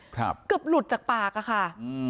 กาบหลุดจากปากอ่ะค่ะ